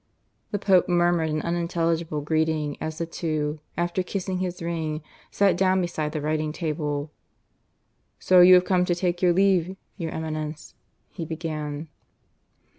The Pope murmured an unintelligible greeting as the two, after kissing his ring, sat down beside the writing table. "So you have come to take your leave, your Eminence?" he began.